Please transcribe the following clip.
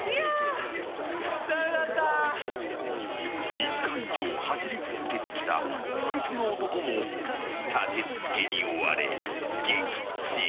［２時間以上走り続けてきた不屈の男も立て続けに追われ撃沈］